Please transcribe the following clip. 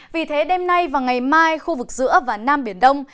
vì thế đêm nay và ngày mai khu vực giữa và nam biển đông